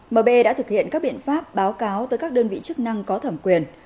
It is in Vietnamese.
mb đã thực hiện các biện pháp báo cáo tới các đơn vị chức năng có thẩm quyền